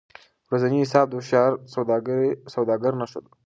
ورځنی حساب د هوښیار سوداګر نښه ده.